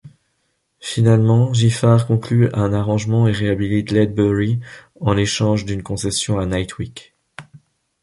Finalement, Giffard conclut un arrangement et réhabilite Ledbury en l'échange d'une concession à Knightwick.